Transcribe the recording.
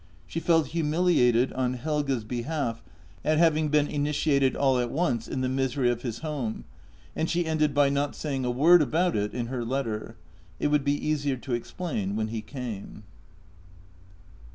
She felt humiliated on Helge's behalf at having been initiated all at once in the misery of his home, and she ended by not saying a word about it in her letter — it would be easier to explain when he came.